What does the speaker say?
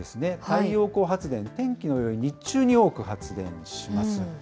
太陽光発電、天気のよい日中に多く発電します。